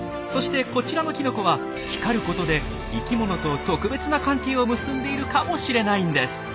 そしてこちらのきのこは光ることで生きものと特別な関係を結んでいるかもしれないんです。